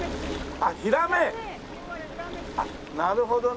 あっなるほどね。